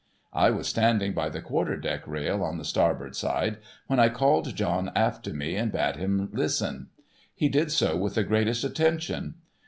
I was standing by the quarter deck rail on the starboard side, when I called John aft to me, and bade him listen. He did so with the greatest attention.